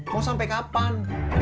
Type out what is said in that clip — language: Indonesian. mau sampai kapan